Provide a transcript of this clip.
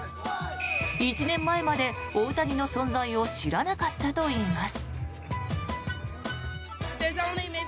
１年前まで大谷の存在を知らなかったといいます。